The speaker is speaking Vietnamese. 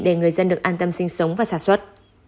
để người dân được an tâm sinh sống và sản xuất